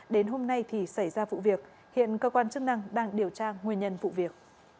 đến hôm nay thì xảy ra vụ việc hiện cơ quan chức năng đang điều tra nguyên nhân vụ việc